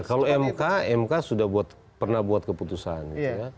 kalau mk mk sudah pernah buat keputusan